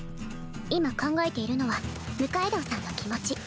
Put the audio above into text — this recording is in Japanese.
今考えているのは六階堂さんの気持ち